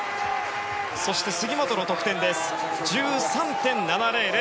そして、杉本の得点です。１３．７００。